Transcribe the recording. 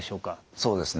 そうですね。